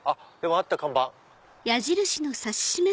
あった看板。